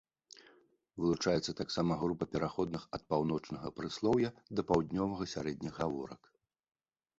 Вылучаецца таксама група пераходных ад паўночнага прыслоўя да паўднёвага сярэдніх гаворак.